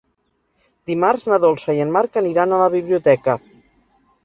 Dimarts na Dolça i en Marc aniran a la biblioteca.